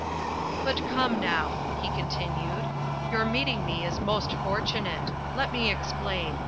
"But come now," he continued, "your meeting me is most fortunate. Let me explain.